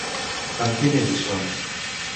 Amb qui més hi són?